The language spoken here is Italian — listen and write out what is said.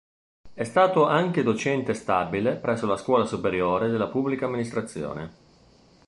È stato anche docente stabile presso la Scuola Superiore della Pubblica Amministrazione.